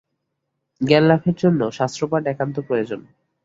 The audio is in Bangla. জ্ঞানলাভের জন্য শাস্ত্রপাঠ একান্ত প্রয়োজন।